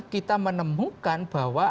kita menemukan bahwa